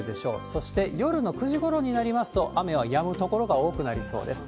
そして夜の９時ごろになりますと、雨はやむ所が多くなりそうです。